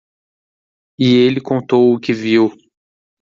E ele contou o que viu.